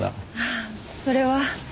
ああそれは。